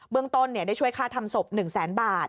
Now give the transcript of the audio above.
เบื้องต้นได้ช่วยฆ่าทำศพ๑๐๐๐๐๐บาท